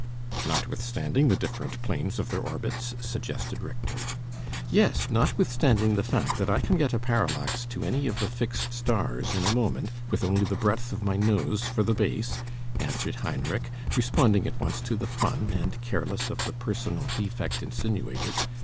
"Notwithstanding the different planes of their orbits," suggested Richter. "Yes, notwithstanding the fact that I can get a parallax to any of the fixed stars in a moment, with only the breadth of my nose for the base," answered Heinrich, responding at once to the fun, and careless of the personal defect insinuated.